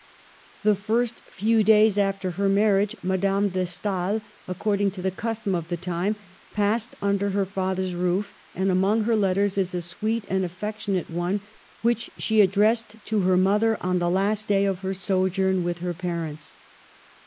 The first few days after her marriage, Madame de Stael, according to the custom of the time, passed under her father's roof ; and among her letters is a sweet and affectionate one, which she addressed to her mother on the last day of her sojourn with her parents.